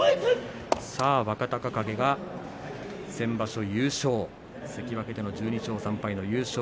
若隆景が先場所優勝関脇での１２勝３敗の優勝